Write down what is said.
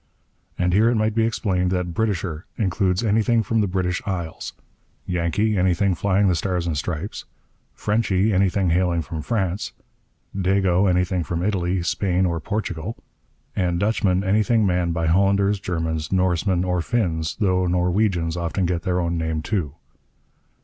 And here it might be explained that 'Britisher' includes anything from the British Isles, 'Yankee' anything flying the Stars and Stripes, 'Frenchie' anything hailing from France, 'Dago' anything from Italy, Spain, or Portugal, and 'Dutchman' anything manned by Hollanders, Germans, Norsemen, or Finns, though Norwegians often get their own name too.